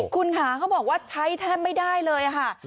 คุณค่ะเขาบอกว่าใช้แทบไม่ได้เลยค่ะ